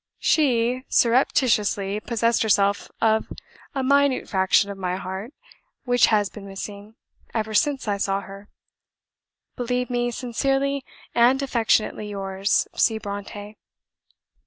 She surreptitiously possessed herself of a minute fraction of my heart, which has been missing, ever since I saw her. Believe me, sincerely and affectionately yours, C. BRONTË."